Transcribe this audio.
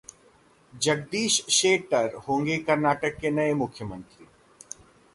जगदीश शेट्टर होंगे कर्नाटक के नए मुख्यमंत्री